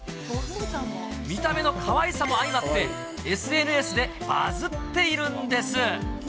見た目のかわいさも相まって、ＳＮＳでバズっているんです。